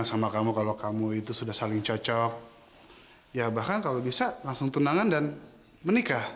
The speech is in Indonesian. sampai jumpa di video selanjutnya